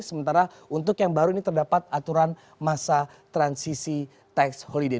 sementara untuk yang baru ini terdapat aturan masa transisi tax holiday